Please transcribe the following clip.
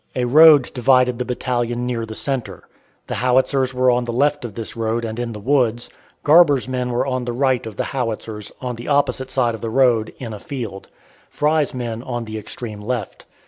A road divided the battalion near the centre. The Howitzers were on the left of this road and in the woods; Garber's men were on the right of the Howitzers, on the opposite side of the road, in a field; Fry's men on the extreme left.